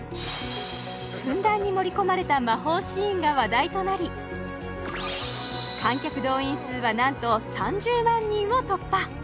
ふんだんに盛り込まれた魔法シーンが話題となり観客動員数はなんと３０万人を突破！